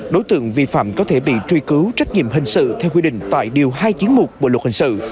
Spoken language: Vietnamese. đối tượng vi phạm có thể bị truy cứu trách nhiệm hình sự theo quy định tại điều hai trăm chín mươi một bộ luật hình sự